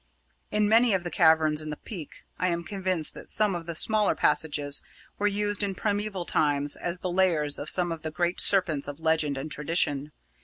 In many of the caverns in the Peak I am convinced that some of the smaller passages were used in primeval times as the lairs of some of the great serpents of legend and tradition.